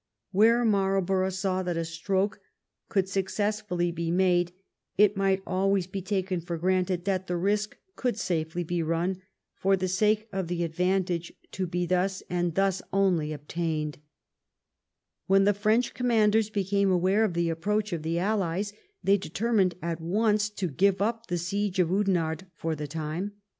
Where Marlborough saw that a stroke could successfully be made it might always be taken for granted that the risk could safely be run for the 351 ■ t4 »»» i t •* 'i •*< THE REIGN OF QUEEN ANNE sake of the advantage to be thusy and thus onlj, ob tained. When the French commandera became aware of the approach of the allies they determined at once to give up the siege of Ondenarde for the time.